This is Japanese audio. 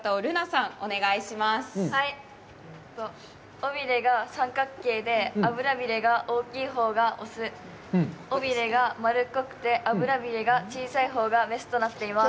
尾びれが三角形で、あぶらびれが大きいほうが雄、尾びれが丸っこくてあぶらびれが小さいほうが雌となっています。